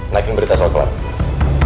naikin berita soal keluarga